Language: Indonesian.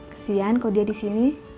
kesian kok dia disini